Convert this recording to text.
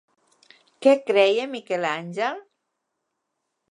Què creia Miquel Àngel?